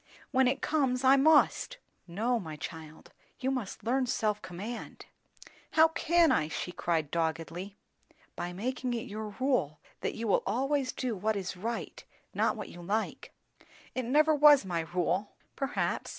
"When it comes, I must." "No, my child; you must learn self command." "How can I?" she said doggedly. "By making it your rule, that you will always do what is right not what you like." "It never was my rule." "Perhaps.